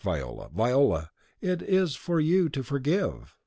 Viola, Viola! it is for you to forgive!"